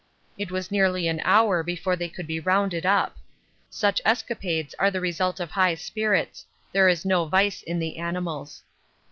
It was nearly an hour before they could be rounded up. Such escapades are the result of high spirits; there is no vice in the animals.